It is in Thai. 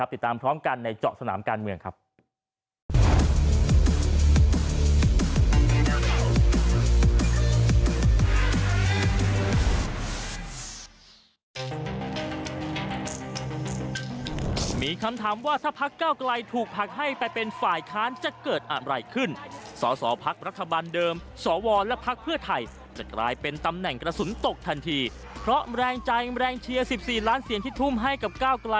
ติดตามพร้อมกันในเจาะสนามการเมืองครับ